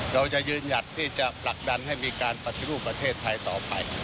เราจะยืนหยัดที่จะผลักดันให้มีการปฏิรูปประเทศไทยต่อไป